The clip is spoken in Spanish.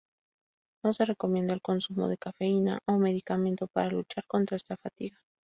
No se recomienda el consumo de cafeína o medicamento para luchar contra esta fatiga.